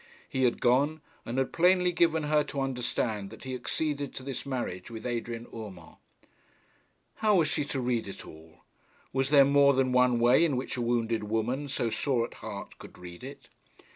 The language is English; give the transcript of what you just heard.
He had gone, and had plainly given her to understand that he acceded to this marriage with Adrian Urmand. How was she to read it all? Was there more than one way in which a wounded woman, so sore at heart, could read it?